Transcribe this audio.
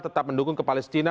tetap mendukung ke palestina